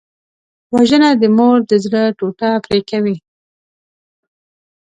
وژنه د مور د زړه ټوټه پرې کوي